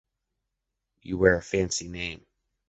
You wear a fancy name.